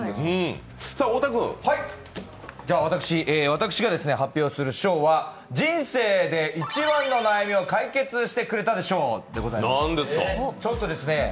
私が発表する賞は人生で一番の悩みを解決してくれたで賞でございます。